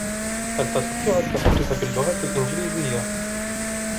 هل تستطيع التحدث باللغة الانجليزية؟